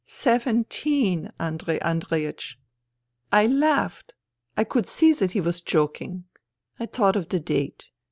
Seventeen, Andrei Andreiech. " I laughed. I could see that he was joking. I thought of the date.